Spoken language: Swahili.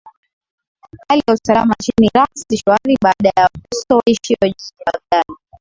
hali ya usalama nchini iraq si shwari baada ya wakirsto waishio jijini baghdad